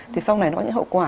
thì sau này nó có những hậu quả